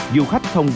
du khách thông tin